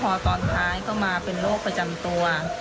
พอตอนท้ายก็มาเป็นโรคประจำตัว